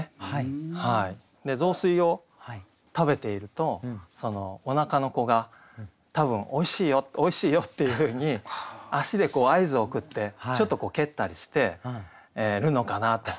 で雑炊を食べているとお腹の子が多分「おいしいよおいしいよ」っていうふうに足で合図を送ってちょっと蹴ったりしてるのかなと。